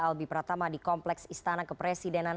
albi pratama di kompleks istana kepresidenan